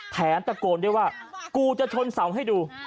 ตะโกนด้วยว่ากูจะชนเสาให้ดู